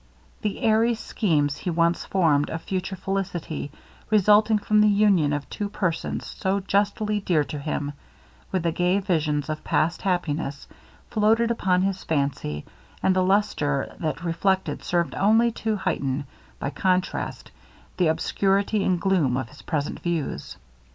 The airy schemes he once formed of future felicity, resulting from the union of two persons so justly dear to him with the gay visions of past happiness floated upon his fancy, and the lustre they reflected served only to heighten, by contrast, the obscurity and gloom of his present views.